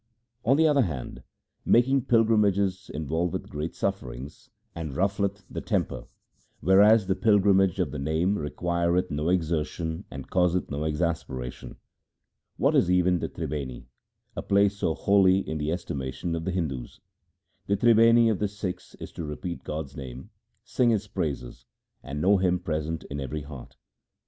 On the other hand, making pilgrimages involveth great sufferings and ruffleth 1 Dhanasari Chhant. 2 Gauri. LIFE OF GURU RAM DAS 257 the temper, whereas the pilgrimage of the Name requireth no exertion and causeth no exasperation. What is even the Tribeni — a place so holy in the estimation of the Hindus ? The Tribeni of the Sikhs is to repeat God's name, sing His praises, and know Him present in every heart.